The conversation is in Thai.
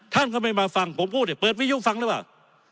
ท่านก็ไม่มาฟังผมพูดเดี๋ยวเปิดวิยุคฟังได้ป่าว